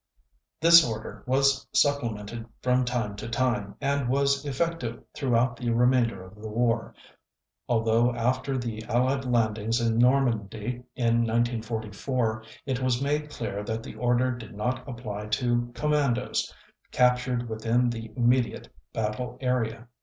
This order was supplemented from time to time, and was effective throughout the remainder of the war, although after the Allied landings in Normandy in 1944 it was made clear that the order did not apply to "Commandos" captured within the immediate battle area.